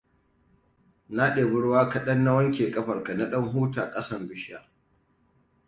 Na ɗebi ruwa kaɗan, na wanke ƙafarka, na ɗan huta ƙasan bishiya.